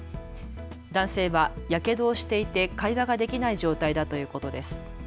男性はやけどをしていて会話ができない状態だということです。